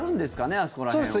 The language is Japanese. あそこら辺は。